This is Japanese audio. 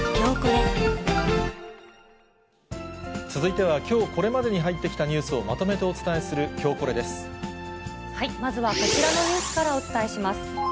続いてはきょうこれまでに入ってきたニュースをまとめてお伝まずはこちらのニュースからお伝えします。